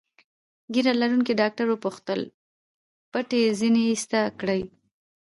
ږیره لرونکي ډاکټر وپوښتل: پټۍ ځینې ایسته کړي؟